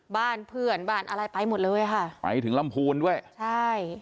บ้านเพื่อนบ้านอะไรไปหมดเลยค่ะไปถึงลำพูนด้วยใช่